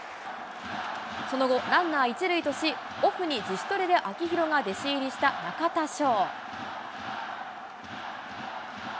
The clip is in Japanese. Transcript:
その後、ランナー１塁とし、オフに自主トレで秋広が弟子入りした中田翔。